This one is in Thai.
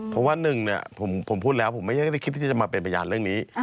เพราะว่าหนึ่งเนี่ยผมพูดแล้วผมไม่ได้คิดที่จะมาเป็นพยานเรื่องนี้